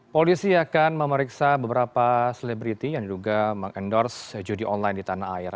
polisi akan memeriksa beberapa selebriti yang diduga mengendorse judi online di tanah air